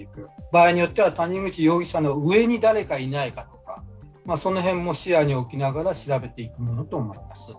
場合によっては谷口容疑者の上に誰かいないかとか、その辺も視野に置きながら調べていくものと思われます。